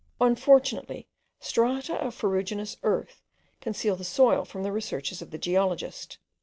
Unfortunately, strata of ferruginous earth conceal the soil from the researches of the geologist.